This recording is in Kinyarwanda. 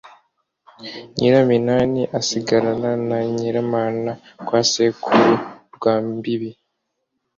nyiraminani asigarana na nyiramana kwa sekuru rwambibi.